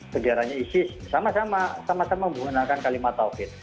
benderanya isis sama sama menggunakan kalimat tawhid